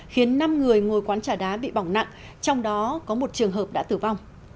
khiến năm người ngồi quán trà đá bị bỏng nặng trong đó có một trường hợp đã tử vong